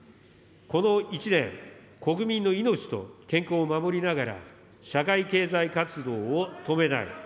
この１年、国民の命と健康を守りながら、社会経済活動を止めない。